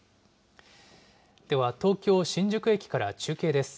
では、東京・新宿駅から中継です。